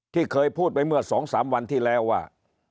ที่เคยพูดไปเมื่อ๒๓วันที่แล้วว่า